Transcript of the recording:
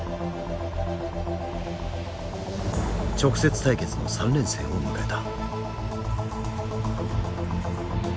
直接対決の３連戦を迎えた。